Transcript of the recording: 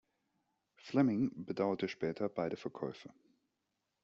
Fleming bedauerte später beide Verkäufe.